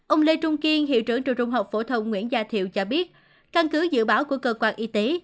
ông lê trung kiên hiệu trưởng trường trung học phổ thông nguyễn gia thiệu cho biết căn cứ dự báo của cơ quan y tế